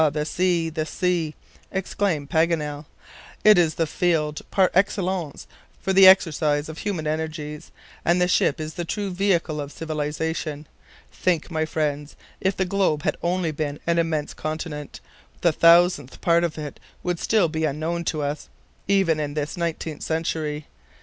the sea! the sea!" exclaimed Paganel, "it is the field par excellence for the exercise of human energies, and the ship is the true vehicle of civilization. Think, my friends, if the globe had been only an immense continent, the thousandth part of it would still be unknown to us, even in this nineteenth century.